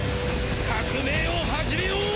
革命を始めよう！